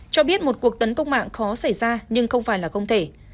cho biết một cuộc tấn công mạng khó xảy ra nhưng không phải là công nghiệp